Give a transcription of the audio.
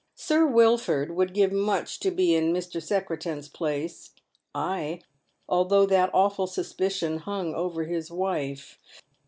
Sir Wilford would give much to be in Mr. Secretan's place, ay, although that awful suspicion hung over his wife.